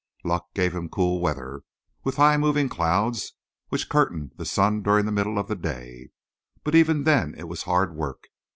Luck gave him cool weather, with high moving clouds, which curtained the sun during the middle of the day, but even then it was hard work.